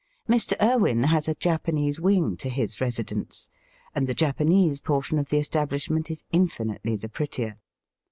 Mr. Irwin has a Japanese wing to his resi dence, and the Japanese portion of the estab lishment is infinitely the prettier.